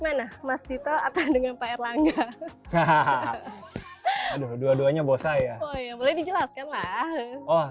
ya mas dito atau dengan pak erlangga hahaha dua duanya bos saya boleh dijelaskan lah oh